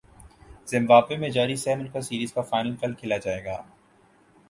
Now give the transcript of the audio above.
Zimbabwe میں جاری سہ ملکی سیریز کا فائنل کل کھیلا جائے گا